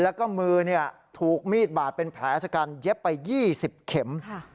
แล้วก็มือถูกมีดบาดเป็นแผลชะกันเย็บไป๒๐เข็ม